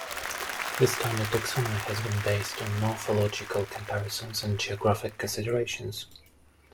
The standard taxonomy has been based on morphological comparisons and geographic considerations.